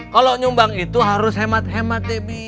kalau nyumbang itu harus hemat hemat debi